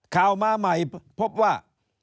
ข่าวมาใหม่พบว่า